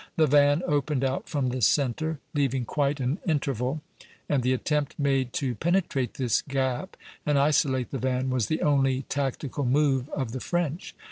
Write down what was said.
The van opened out from the centre, leaving quite an interval; and the attempt made to penetrate this gap and isolate the van was the only tactical move of the French.